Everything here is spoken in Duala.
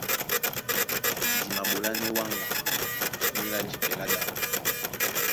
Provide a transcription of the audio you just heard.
Di maɓolánɛ́ wáŋga ónyólá jipɛ lá ɗá.